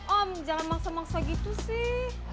om jangan maksa maksa gitu sih